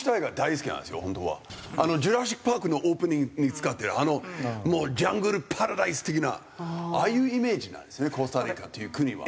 『ジュラシック・パーク』のオープニングに使っているあのジャングルパラダイス的なああいうイメージなんですねコスタリカという国は。